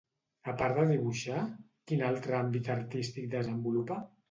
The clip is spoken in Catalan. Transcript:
A part de dibuixar, quin altre àmbit artístic desenvolupa?